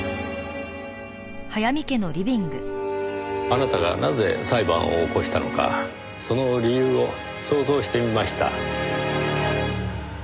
あなたがなぜ裁判を起こしたのかその理由を想像してみました。